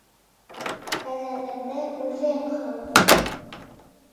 Кәжәләрҙе үҙең ҡыу...